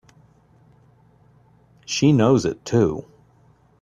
She knows it too!